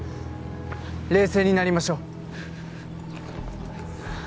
冷静になりましょう。